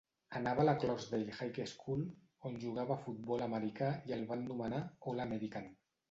Anava a la Clarksdale High School, on jugava a futbol americà i el van nomenar "All-American".